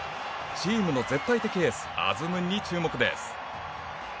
チームの絶対的エースアズムンに注目です。